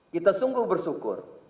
kita sungguh bersyukur